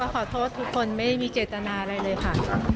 ขอโทษทุกคนไม่มีเจตนาอะไรเลยค่ะ